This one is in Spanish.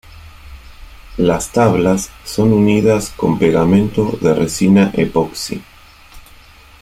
Las tablas son unidas con pegamento de resina epoxi.